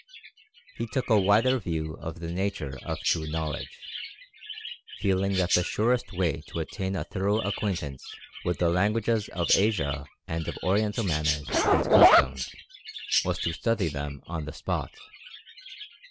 He took a wider view of the nature of true knowledge, feeling that the surest way to attain a thorough acquaintance with the languages of Asia and of Oriental manners and customs was to study them on the spot.